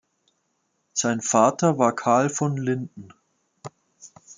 Sein Vater war "Karl von Linden".